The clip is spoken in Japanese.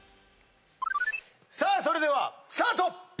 それではスタート！